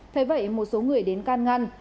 thế vậy một số người đến can ngăn